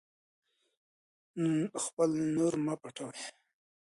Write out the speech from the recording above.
خپل نور مه پټوئ.